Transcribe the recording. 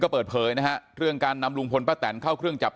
เปิดเผยนะฮะเรื่องการนำลุงพลป้าแตนเข้าเครื่องจับ